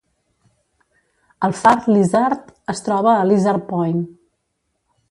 El far Lizard es troba a Lizard Point.